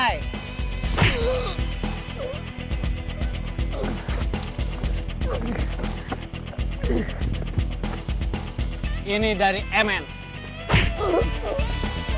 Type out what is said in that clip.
kecuali ini kalau dari bagian abadi ya mau